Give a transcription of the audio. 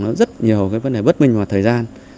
nó rất nhiều cái vấn đề bất minh và thời gian